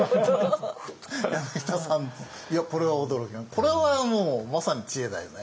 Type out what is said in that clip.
これはもうまさに知恵だよね。